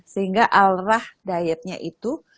sehingga alrah dietnya itu